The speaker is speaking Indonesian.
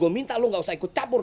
minta lu ga usah ikut cabur